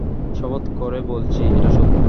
শপথ করে বলছি, এটা সত্য।